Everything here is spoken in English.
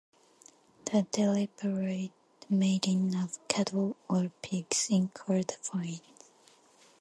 The deliberate mating of cattle or pigs incurred fines.